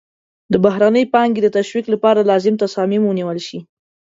د بهرنۍ پانګې د تشویق لپاره لازم تصامیم ونیول شي.